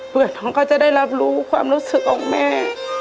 เพื่อน้องก็จะได้รับรู้ความรู้สึกของแม่